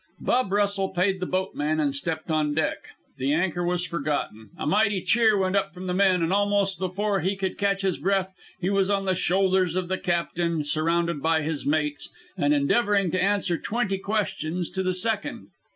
Bub Russell paid the boatman and stepped on deck. The anchor was forgotten. A mighty cheer went up from the men, and almost before he could catch his breath he was on the shoulders of the captain, surrounded by his mates, and endeavoring to answer twenty questions to the second.